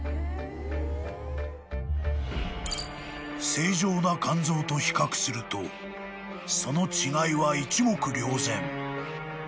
［正常な肝臓と比較するとその違いは一目瞭然］